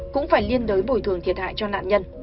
cũng phải liên đối bồi thường thiệt hại cho nạn nhân